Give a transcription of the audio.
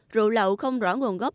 rượu lậu không rõ nguồn gốc